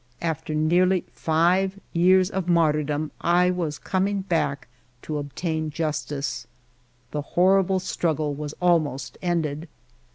After nearly five years of martyrdom, I was coming back to obtain justice. The horrible struggle was almost ended.